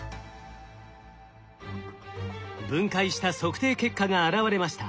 分解した測定結果が現れました。